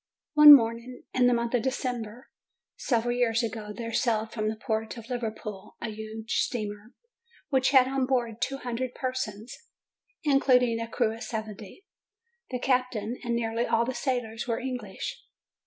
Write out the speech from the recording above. One morning in the month of December, several years ago, there sailed from the port of Liverpool a huge steamer, which had on board two hundred persons, including a crew of seventy. The captain and nearly all the sailors were English.